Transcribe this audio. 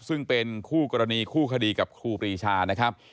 ซึ่งเป็นคู่กรณีคู่คดีกับครูปรีชานะครับ